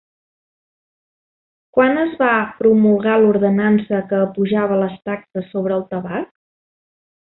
Quan es va promulgar l'ordenança que apujava les taxes sobre el tabac?